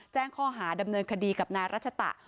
แจ้งข้อหาดำเนินคดีกับนายรัชตะ